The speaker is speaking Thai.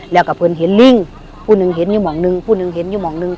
แล้วก็เพื่อนเห็นลิงผู้หนึ่งเห็นอยู่ห่องหนึ่งผู้หนึ่งเห็นอยู่ห่องหนึ่ง